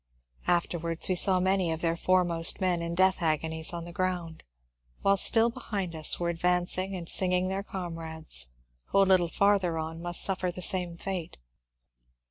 Afterwards we saw many of their foremost men in death agonies on the ground, while still behind us were ad vancing and singing their comrades, who a little farther on must suffer the like fate.